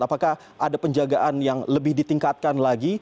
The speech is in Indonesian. apakah ada penjagaan yang lebih ditingkatkan lagi